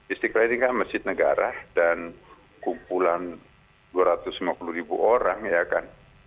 istiqlal ini kan masjid negara dan kumpulan dua ratus lima puluh ribu orang ya kan